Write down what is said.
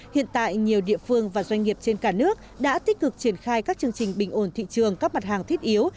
hiện tại nhiều địa phương và doanh nghiệp trên cả nước đã tích cực triển khai các chương trình bình ổn thị trường các mặt hàng thiết yếu